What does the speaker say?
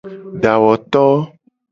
Dawoto.